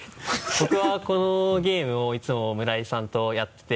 僕はこのゲームをいつも村井さんとやってて。